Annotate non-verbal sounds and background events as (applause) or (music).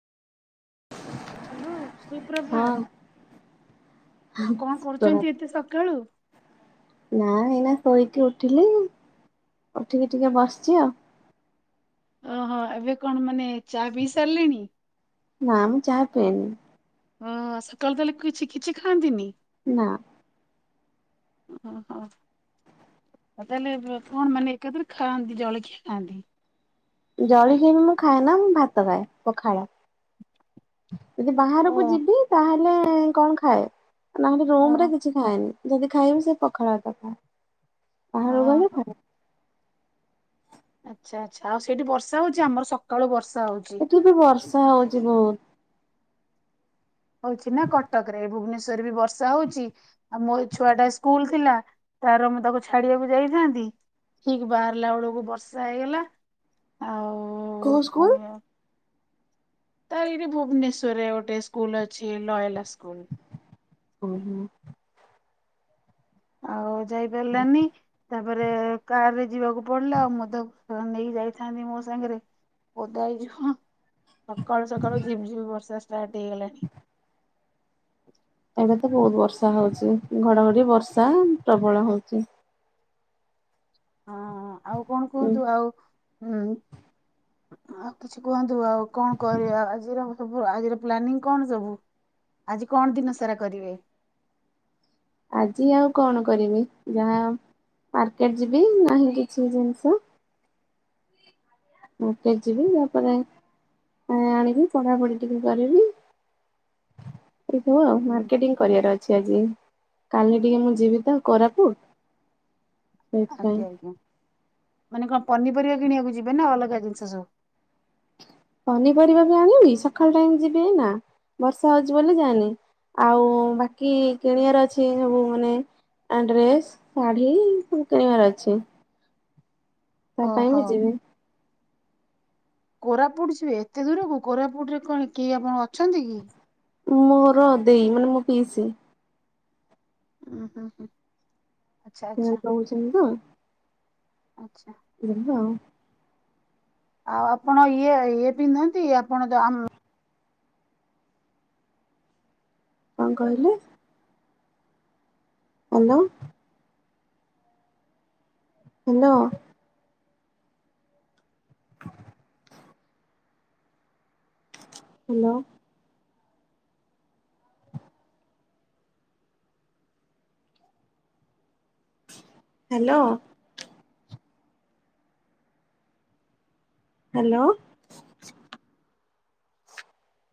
Hello ହଁ ସୁପ୍ରଭାତ ଆଉ କଣ କରୁଛନ୍ତି ପ୍ରଭାତ ଏତେ ସକାଳୁ? ନା ଏଇନା ଶୋଇକି ଉଠିଲି ଉଠିକି ଟିକେ ବସିଛି ଆଉ ଓହୋ ଏବେ କଣ ମାନେ ଚା ପିଇ ସାରିଲେଣି? ନା ମୁଁ ଚାହା ପିଏନି। ଓ ସକାଳୁ ତାହଲେ କିଛି କିଛି ଖାଆନ୍ତିନି। ନା। ଓ ହୋ। ଆଉ ତାହେଲେ କଣ ମାନେ ଏକାଥରେ ଖାଆନ୍ତି ଜଳଖିଆ ଖାଆନ୍ତି। ଜଳିଖିଆ ବି ମୁଁ ଖାଏନା ମୁଁ ଭାତ ଖାଏ ପଖାଳ। ଯଦି ଓ ବାହାରକୁ ଯିବି ତାହେଲେ କଣ ଖାଏ ନହେଲେ ଓ ରୁମରେ କିଛି ଖାଏନି ଯଦି ଖାଇବି ସେ ପଖାଳ ଭାତ ଖାଏ ବାହାରକୁ ଗଲେ ଓହୋ। ଖାଏ। ଆଚ୍ଛା ଆଛା ଆଉ ସେଇଠି ବର୍ଷା ହଉଛି ଆମର ସକାଳୁ ବର୍ଷା ହଉଛି। ଏଠି ବି ବର୍ଷା ହଉଛି ବହୁତ। ହଉଛି ନା କଟକରେ ଭୁବନେଶ୍ଵର ବି ବ ଶା ହଉଛି ଆଉ ମୋ ଏ ଛୁଆ ଟା ସ୍କୁଲ ଥିଲା ତାର ମୁଁ ତାକୁ ଛାଡିବାକୁ ଯାଇଥାନ୍ତି। ଠିକ ବାହାରିଲା ବେଳକୁ ବର୍ଷା ହେଇଗଲା। କୋଉ ଆଉ ସ୍କୁଲ? ତା ଏଇଠି ଭୁବନେଶ୍ୱରରେ ଗୋଟେ ସ୍କୁଲ ଅଛି ନୟନା ସ୍କୁଲ। ହୁଁ ହୁଁ ଆଉ ଯାଇପାରିଲାନି ତାପରେ କାରରେ ଯିବାକୁ ପଡିଲା ଆଉ ମ ନେଇ ଯାଇଥାନ୍ତି ମୋ ସାଙ୍ଗରେ ଓଦା ହେଇଯିବ। ସକାଳୁ ସକାଳୁ ଝିପ୍ ଝିପ୍ ବର୍ଷା ଷ୍ଟାର୍ଟ ହେଇଗଲାଣି। ଏବେ ତ ବହୁତ ବର୍ଷା ହଉଛି ଘଡଘଡି ବର୍ଷା ପ୍ରବଳ ହଉଛି। ହଁ ଆଉ କଣ ଉଁ କୁହନ୍ତୁ ଆଉ ହୁଁ ଆଉ କିଛି କୁହନ୍ତୁ ଆଉ କଣ କରିବା ଆଜିର ସବୁ ଆଜିର ପ୍ଲାନିଂ କଣ ସବୁ ଆଜି କଣ ଦିନ ସାରା କରିବେ? ଆଜି ଆଉ କଣ କରିବି ଯାହା ମାର୍କେଟ ଯିବି ନାହିଁ କିଛି ଜିନିଷ। ମାର୍କେଟ ଯିବି ତାପରେ ପାଣି ଆଣିବି ପଢାପଢି ଟିକେ କରିବି। (unintelligible) ହୁଁ ମାର୍କେଟିଂ। କରିବାର ଅଛି ଆଜି କାଲି ଟିକେ ମୁଁ ଯିବି ତ କୋରାପୁଟ। ସେଥିପାଇଁ ଆଜ୍ଞା ଆଜ୍ଞା ମାନେ କଣ ପନିପରିବା କିଣିବାକୁ ଯିବେ ନା ଅଲଗା ଜିନିଷ ସବୁ। ପନିପରିବା ବି ଆଣିବି ସକାଳ ଟାଇମ ଯିବି ଏଇନା ବର୍ଷା ହଉଛି ବ ଯାଏନି। ଆଉ ବାକି କିଣିବାର ଅଛି ସବୁ ମାନେ ଆ ଡ୍ରେସ ଶାଢ଼ୀ ସବୁ କିଣିବାର ଅଛି। ତା ପାଇଁ ଓହୋ। ବି ଯିବି। କୋରାପୁଟ ଯିବେ ଏତେ ଦୂରକୁ କୋରାପୁଟ ରେ କଣ କେହି ଆପଣ ଅଛନ୍ତି କି। ମୋର ଦେଇ ମାନେ ମୋ ପିଇସି। ହୁଁ-ହୁଁ-ହୁଁ ଆଛା ସେମାନେ ଆଛା ରହୁଛନ୍ତି ତ ଆଛା। (unintelligible) ଆଉ ଆପଣ ଇଏ ଇଏ ପିନ୍ଧନ୍ତି ଆପଣ ଯୋଉ ଆମ କଣ କହିଲେ? Hello. Hello. Hello. Hello. Hello.